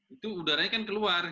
itu udaranya kan keluar